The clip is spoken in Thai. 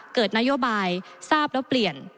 เกิดนโยบายทราบแล้วเปลี่ยน